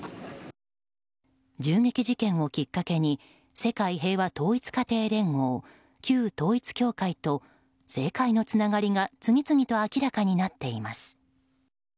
銃撃事件をきっかけに世界平和統一家庭連合旧統一教会と政界のつながりが次々と明らかになっています。